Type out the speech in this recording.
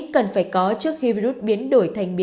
cần phải có trước khi virus biến đổi